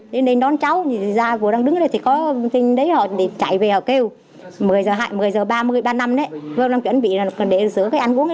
đến đây đón cháu vừa đang đứng ở đây cháu chạy về kêu một mươi h ba mươi một mươi h ba mươi năm đang chuẩn bị để sửa cái ăn uống